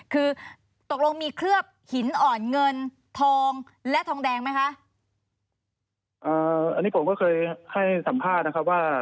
คือตกลงมีเคลือบหินอ่อนเงินทองและทองแดงไหมคะอ่าอันนี้ผมก็เคยให้สัมภาษณ์นะครับว่า